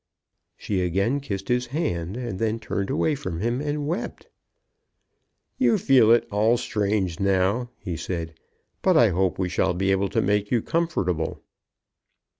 She again kissed his hand, and then turned away from him and wept. "You feel it all strange now," he said, "but I hope we shall be able to make you comfortable."